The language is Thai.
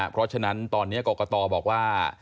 เพราะฉะนั้นตอนนี้กรกตบอกว่า